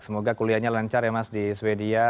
semoga kuliahnya lancar ya mas di sweden